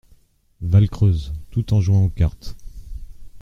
Valcreuse, tout en jouant aux cartes.